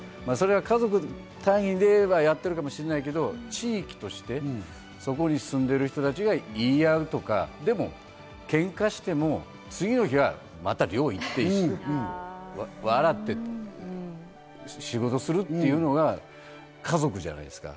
家族単位でやっているかもしれないけど、地域としてそこに住んでいる人たちが言い合うとか、でもケンカしても次の日はまた漁に行って笑って仕事するというのが家族じゃないですか。